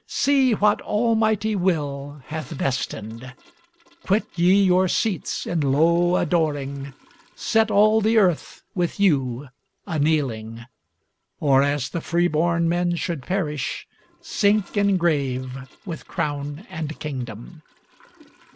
See what Almighty will hath destined. Quit ye your seats, in low adoring, Set all the earth, with you, a kneeling; Or as the free born men should perish Sink in grave with crown and kingdom.